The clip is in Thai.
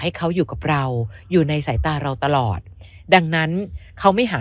เขาอยู่กับเราอยู่ในสายตาเราตลอดดังนั้นเขาไม่หา